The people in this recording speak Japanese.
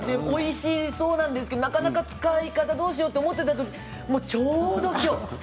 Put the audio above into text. おいしそうなんですがなかなか使い方どうしようと思っていたときにちょうどきょう。